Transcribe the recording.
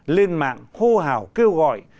lên mạng hô hào kêu gọi